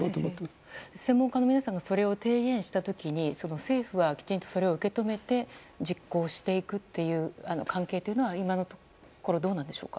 先生、専門家の皆さんがそれを提言した時に政府は、きちんとそれを受け止めて実行していくという関係というのは今のところどうなんでしょう。